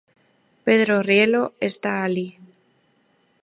Pedro Rielo está alí.